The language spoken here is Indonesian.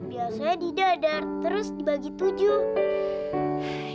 biasanya didadar terus dibagi tujuh